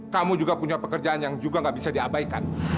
kamu juga punya pekerjaan yang juga gak bisa diabaikan